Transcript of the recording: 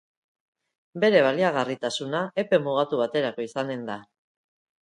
Bere baliagarritasuna epe mugatu baterako izanen da.